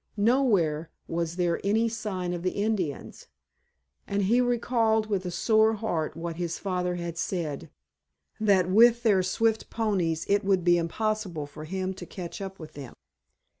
Nowhere was there any sign of the Indians, and he recalled with a sore heart what his father had said, that with their swift ponies it would be impossible for him to catch up with them.